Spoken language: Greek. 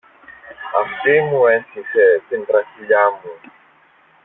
Αυτή μου έσχισε την τραχηλιά μου!